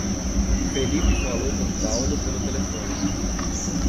Felipe falou com Paulo pelo telefone.